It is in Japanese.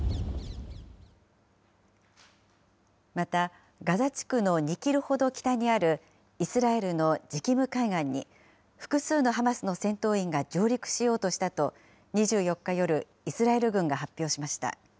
また、ガザ地区の２キロほど北にあるイスラエルのジキム海岸に、複数のハマスの戦闘員が上陸しようとしたと、２４日夜、イスラエル軍が発表しました。